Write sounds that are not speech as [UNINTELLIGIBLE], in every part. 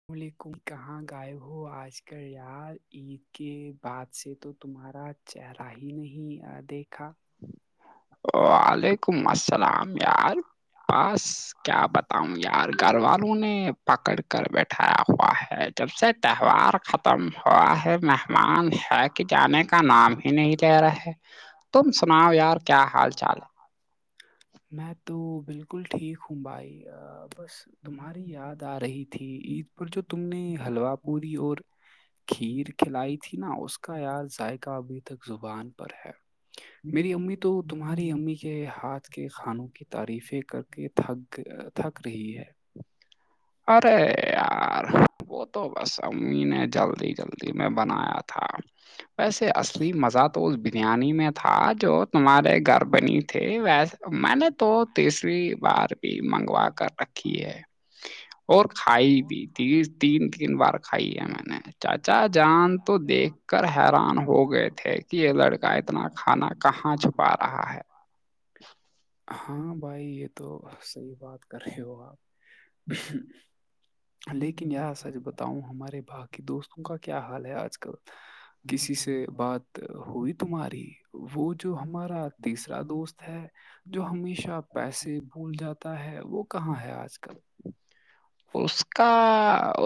اللام علیکم کہاں گائب ہو آج کل یاد عید کے بعد سے تو تمہارا چہرہ ہی نہیں دیکھا وعلیکم السلام یار پس کیا بتا ہوں یار گھر والوں نے پکڑ کر بیٹھایا ہوا ہے جب سے تہوار ختم تم ہوا ہے مہمان ہے کہ جانے کا نام ہی نہیں لے رہا ہے تم سناؤ یار کیا حال چال ہے میں تو بالکل ٹھیک ہوں بھائی بس تمہاری یاد آ رہی تھی عید پر جو تم نے حلوا پوری اور کھیر کھلائی تھی نا اس کا یاد ذائقہ ابھی تک زبان پر ہے جی وہ تمہاری امی کے ہاتھ کے کھانوں کی تعریفیں کر کے تھک تھک رہی ہے ارے یار وہ تو بس امی نے جلدی جلدی میں بنایا تھا ویسے اصلی مزہ تو اس بریانی میں تھا جو تمہارے گھر بنی تھے ویسے میں نے تو تیسری بار بھی منگوا کر رکھی ہے اور کھائی بھی ت تین تین بار کھائی ہے میں نے چاچا جان تو دیکھ کر حیران ہو گئے تھے کہ یہ لڑکا اتنا کھانا کہاں چھپا رہا ہے ہاں بھائی یہ تو صحی بات کر رہے ہو آپ لیکن سچ بتاؤں ہمارے باغ کہ دوستوں کا کیا حال ہے آج کل کسی سے بات ہوئی تمہاری وہ جو ہمارا تیسرا دوست ہے جو ہمیشہ پیسے بھول جاتا ہے وہ کہاں ہے آج کل اس کا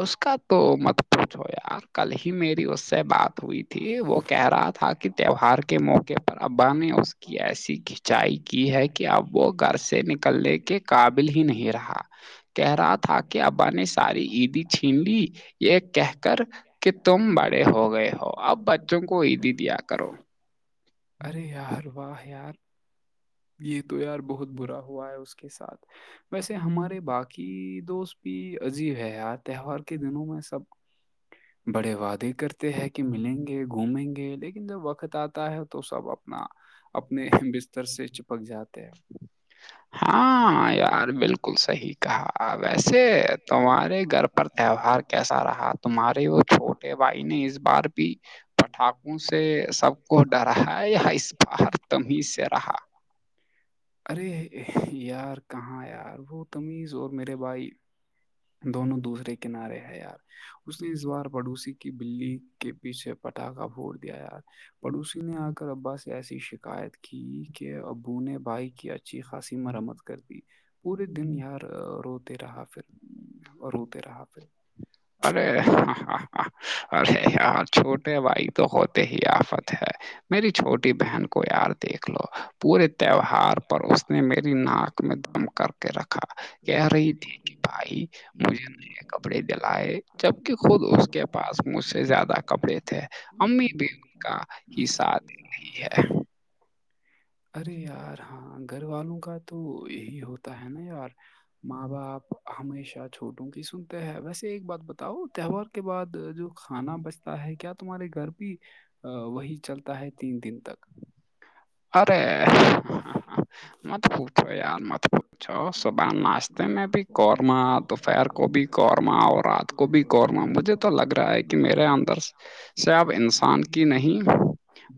اس کا تو مت پوھو کل ہی میری اس سے بات ہوئی تھی تھی وہ کہہ رہا تھا کہ تہوار کے موقع پر ابا نے اس کی ایسی کھنچائی کی ہے کہ اب وہ گھر سے نکلنے کے قابل ہی نہیں رہا [INAUDIBLE] کہہ رہا تھا کہ اب ا نے ساری عیدی چھین لی یہ کہ کر کہ تم بڑے ہو گئے ہو اپ بچوں کو ا بھی دیا کرو ارے یار واہ یار یہ تو یار بہت برا ہو ہوا ہے اس کے ساتھ ویسے جیسے ہمارے باق کہ دوست بھی عجیب ہے یار تہوار کے دنوں ہمارے میں سب بڑے وعدے کرتے ہیں کہ ملیں گے گھومیں گے لیکن جب وقت آتا ہے تو سب اپنا اپنے بستر سے چپک جاتے ہیں ہاں یار بالکل صحیح کہا ویسے تمہارے گھر پر تہوار کیسا رہا تمہارے وہ چھوٹے بھائی نے اس بار بھی پٹاخوں سے سب کو ڈرا ہے اس بار [UNINTELLIGIBLE] تم ہی سے رہا ارے یار کہاں یار وہ تمیز اور میرے بھائی دونوں دوسرے کنارے ہیں یار اس نے اس بار پڑو س کی بلی کے پیچھے پٹاخا بھڑ دیا پڑوسی نے آ کر ابا سے ایسی شکایت کی کہ ابو نے بھائی کی اچا اچھی خاصی مرمت کرتی پورے دن یار روتے رہا پھر اور روتے رہا پھر ارے ہاں ہاں ارے یار چھوٹے بھائی تو ہوتے ہی آفت ہے میری چھوٹی بہن کو یار دیکھ لو پورے تہوہار پر اس نے میری ناک [UNINTELLIGIBLE] میں دم کر کے رکھا کہہ رہی تھی کہ بھائی مجھے نئے کپڑے دل بھائی جبکہ خود اس کے پاس مجھ سے زیادہ کپڑے تھے امی بھی ان کا ہی ساتھ ہے [UNINTELLIGIBLE] ارے یار ہاں گھر والوں کا تو یہی ہوتا ہے نا یار ماں ہوں۔ آپ ہمیشہ چھوٹوں کی سنتے ہیں ویسے ایک بات بتاؤ تہوار کے بعد جو کھانا بچتا ہے کیا تمہارے گھر بھی وہی چلتا ہے تین دن تک ارے مت پوھو یار مت پوچھو صبح ناشتے میں بھی قورمہ دوپہر کو بھی قورمہ اور رات کو بھی قورمہ مجھے تو لگ رہا ہے کہ میرے اندر [UNINTELLIGIBLE] سب انسان کی نہیں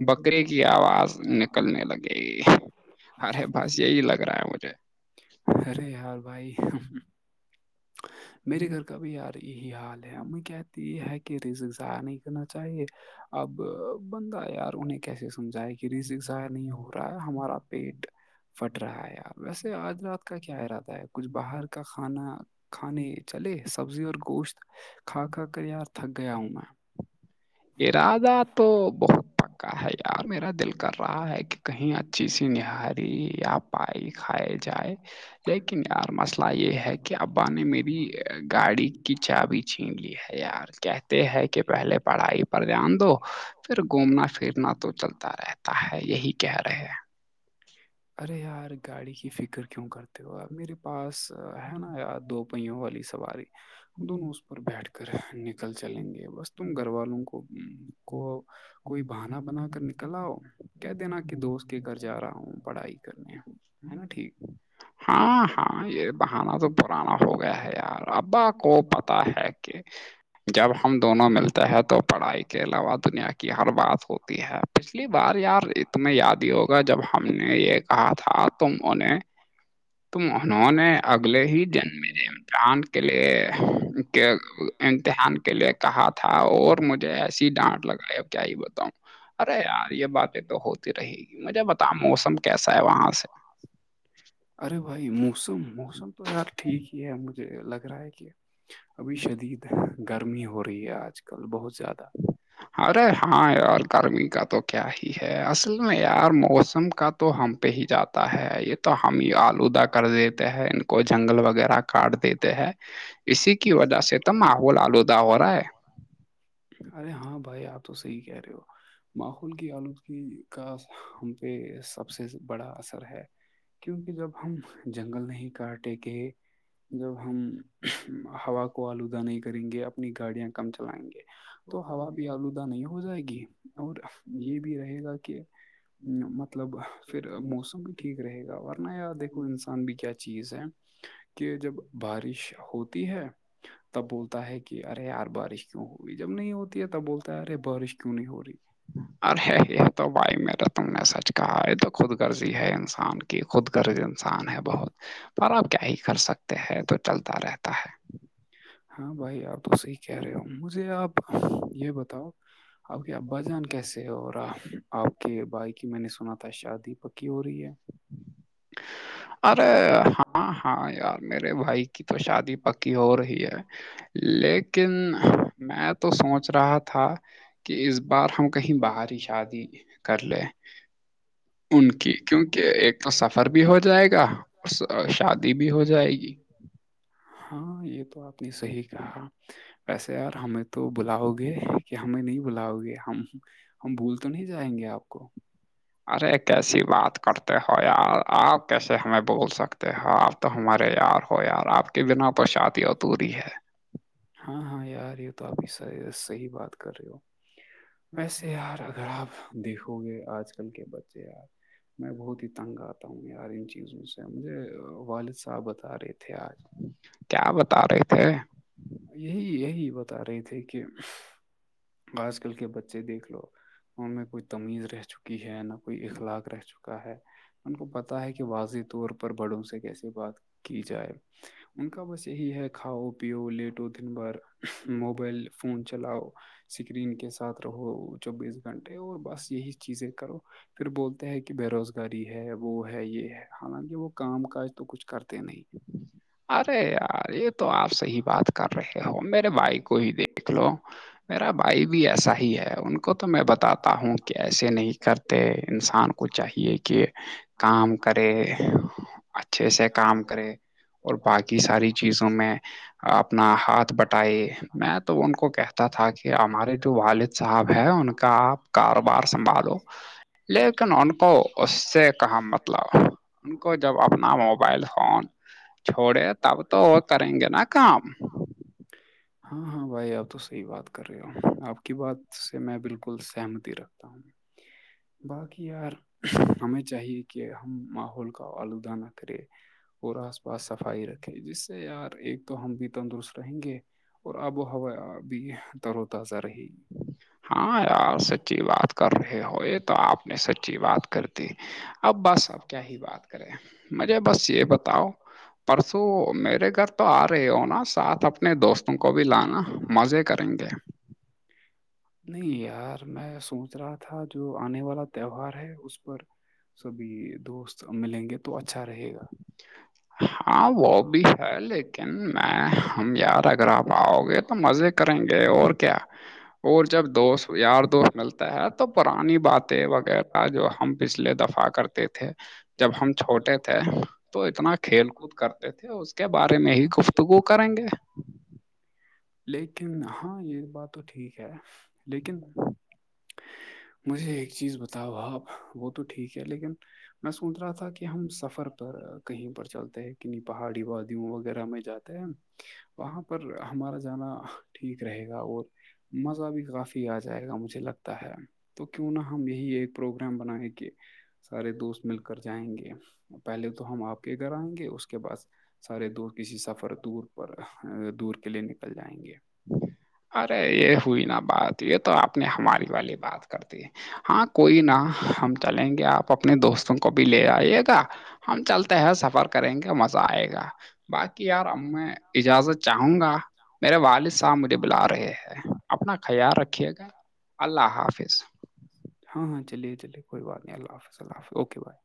بکری کی آواز نک نکلنے لگےی ارے بس یہی لگ رہا ہے مجھے ارے یار بھائی میرے گھر کا بھی یار اور یہی حال ہے امی کہتے یہ ہے کہ رززار نہیں کرنا چاہیے [UNINTELLIGIBLE] اب بندہ یار انہیں کیسے سمجھایا کہ رزق ضائع نہیں ہو رہا ہمارا پیٹ پھٹ رہا ہے ی ویسے آج رات کا کیا ارادہ ہے کچھ باہر کا کھانا کھانے چلے سبزی اور گوشت کھا کھا کر یار تھک گیا ہوں میں ارادہ تو بہت پکا ہے یار میرا دل کر رہا ہے کہ کہیں اچھی سی نہاری یا پائی کھائے جائے لیکن یار مسئلہ یہ ہے کہ ابا نے میری گاڑی کی چابی چھین میں لی ہے یار کہتے ہیں کہ پہلے پڑھائی پر پر دھیان دو پھر گھومنا پھرنا تو چلتا رہتا ہے یہی کہہ رہے ارے یار گاڑی کی فکر کیوں کرتا میرے پاس ہے نا یار دو پہیوں والی سواری دونوں اس پر بیٹھ کر نکل چلیں گے بس تم گھر والوں کو کو کوئی بہانا بنا کر نکل آؤ کہ دینا کہ دوست کے گھر جا رہا ہوں پڑھائی کرنے ہیں ہے نا ٹھیک ہاں ہاں یہ بہانا تو پرانا ہو گیا ہے یار ابا کو پتا ہے کہ جب ہم دونوں ملتے ہیں تو پڑھائی کے علاوہ دنیا کی ہر بات ہوتی ہے پچھلی بار یار تیں یاد ہی ہوگا جب ہم نے یہ کہا تھا تم ان نے تو ارے انہوں نے اگلے ہی جن میں پران کے لیے کیا [UNINTELLIGIBLE] کہا تھا اور مجھے ایسی ڈانٹ لگائے کیا یہ بتاؤ ارے یار یہ بات تو ہوتی رہے گی مجھے بتا موسم کیسا ہے وہاں سے بھائی موسم موسم تو یار ٹھیک ہی ہے مجھے لگ رہا ہے کہ ابھی شدید گرمی ہو رہی ہے آج کل بہت زیادہ ارے ہاں یار گرمی کا تو کیا ہے ہے اصل میں یار موسم کا تو ہم پہ ہی جاتا ہے یہ تو ہم ہی آلودہ کر دیتے ہے ان کو جنگل وغیرہ کاٹ دیتے ہیں اسی وجہ سے تو ماحول آلودہ ہو رہا ہے ارے ہاں بھائی آپ تو صحیح کہہ رہے ہو ماحول کی آلود کا ہم پہ سب سے بڑا اثر ہے کیونکہ جب ہم جنگل نہیں کاٹے گ جب ہم ہوا کو آلودہ نہیں کریں گے اپنی گاڑیاں کم چلائیں گے تو ہوا بھی آلودہ نہیں ہو جائے گی اور یہ بھی رہے گا کہ مطلب پھر موسم بھی ٹھیک رہے گا ورنہ یار دیکھو انسان بھی کیا چیز ہے کہ جب بارش ہوتی ہے تب بولتا ہے کہ ارے یار بارش کیوں ہوگئی جب نہیں ہوتی تھا بولتا ہے ارے بارش کیوں نہیں ہو رہی ارے ہے ہی تو بھائی میرا تم نے سچ کہا یہ تو خود غرضی ہے انسان کی کہ خود گغرض انسان ہے بہت پر آپ کیا ہی کر سکتے ہیں تو چلتا رہتا ہے ہاں بھائی آپ تو صحیح کہہ رہے ہو مجھے آپ یہ بتاؤ اب کیا بجان کیس اور آپ کے بھائی کی میں نے سنا تھا شادی پکی ہو رہی ہے ارے ہاں ہاں یار میرے بھائی کی تو شادی پکی ہو رہی ہے لیکن میں تو سوچ رہا تھا کہ اس بار ہم کہیں باہر ہی شادی کر لے [INAUDIBLE] ان کی کیونکہ ایک تو سفر بھی ہو [INAUDIBLE] جائے گا اور س- شادی بھی ہو جائے گی ہاں یہ تو آپ نے صحیح کہا ویسے یار ہمیں تو بلاؤ گے کہ ہمیں نہیں بلاؤ گے ہم ہم بھول تو نہیں جائیں گے آپ کو ارے کیسی بات کرتے ہو یار آپ کیسے ہمیں بول سکتے ہو آپ تو ہمارے یار ہو یار آپ کے بنا تو شادی اورتوری ہے ہاں ہاں یار ہو تو آپ صحی بات کر رہے ہو ویسے یار اگر آپ دیکھو گے آج کل کے بچے یار میں بہت ہی تنگ تا ہوں یار ان چیزوں سے مجھے والد صاحب بتا رہے تھے ا کیا بتا رہے تھے آولامیکم یہی یہی بتا رہے تھے کہ آج کل کے بچے دیکھ لو ان میں کوئی تمیز رہ چکی ہے نہ کوئی اخلاق رہ چکا ہے ان کو پتاہ ہے کہ واضح طور پر بڑوں سے کیسی بات کی جائے ان کا بس یہی ہے کھاؤ پ پیو لیٹو دن بار موبائل فون چلاؤ سکرین کے ساتھ رہو چوبیس گھنٹے اور بس یہی چیزیں کرو پھر بولتے ہیں کہ بے روزگاری ہے وہ ہے یہ ہے حالانکہ وہ کام کاج تو کچھ کرتے نہیں ارے یار یہ تو آپ صی بات کر رہے ہو میرے بھائی کو ہی دیکھ لو میررا بھائی بھی ایسا ہی ہے ان کو تو میں بتاتا ہوں کہ ایسے نہیں کر انسان کو چاہیے کہ کام کرے اچھے سے کام کرے اور باقی ساری چیزوں میں اپنا ہاتھ بٹائے میں تو ان کو کہتا تھا کہ کہ ہمارے جو والد صاحب ہے ان کا آپ کاروبار سنبھالو لیکن ان کو اس سے کہاں مطلب ان کو جب اپنا موبائل فون چھوڑے تب تو کریں گے نا کام ہاں ہاں بھائی آپ تو صحیح بات کر رہے ہو آپ کی بات سے میں بالکل سہمتی رکھتا ہوں باقی یار ہمیں چاہیے کہ ہم ماحول کا آلودا نہ کرے پورا آس پاس صفائی رکھے جس سے یار ایک تو ہم بھی تندرست رہیں گے اور آب و ہوا بھی تر و تازہ رہی ہاں یار سچی بات کر رہے ہو یہ تو آپ نے سچی بات کر دی اب بس اب کیا ہی بات کرے مجھے بس یہ بتاؤ پرسوں میرے گھر تو آ رہے ہو نا ساتھ اپنے دوستوں کو بھی گی لانا مزے کریں گے نہیں یار میں سوچ رہا تھا جو آنے والا تہوہار ہے اس پر سبھی دوست ملیں گے تو اچھا رہے گا ہاں وہ بھی ہے لیکن میں ہم یار اگر آپ آؤ گے تو مزے کریں گے اور کیا اور جب دوست یار دوست ملتا ہے تو پرانی باتیں وغیرہ جو ہم پچھلے دفعہ کرتے تھے جب ہم چھوٹے تھے تو اتنا کھیل کود کرتے تھے اس کے بارے میں ہی گفتگو کریں گے ہاں لیکن ہاں یہ بات تو ٹھیک ہے لیکن مجھے ایک چیز بتاؤ بھا آپ وہ تو ٹھیک ہے لیکن میں سوچ رہا تھا کہ ہم سفر پر کہیں پر چلتے ہیں کنی پہاڑی وادیوں وغیرہ میں جاتے ہیں وہاں پر ہمارا جانا ٹھیک رہے گا اور مزہ بھی کافی آ جائے گا مجھے لگتا ہے تو کیوں نہ ہم یہی ایک پروگرام بنائیں کہ سارے دوست مل کر جائیں گے پہلے تو ہم آپ کے آئیں گے اس کے بعد سارے دوست ک سفر دور پر دور کے لیے نکل جائیں گے ارے یہ ہوئی نا بات یہ تو آپ نے ہماری والی بات کر دی ہاں کوئی نا ہم چلیں گے آپ اپنے دوستوں کو بھی لے آئیے گا ہم چلتے ہے سفر کریں گے مزہ آئے گا باقی یار اب میں اجازت چاہوں گا میرے وال والد س صاحب مجھے بلا رہے ہیں اپنا خیال رکھیے گا اللہ حافظ ہاں ہاں چلیے چلیے کوئی بات نہیں اللہ حافظ اللہ حافظ اوکے بھائی